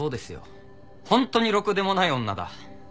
本当にろくでもない女だ。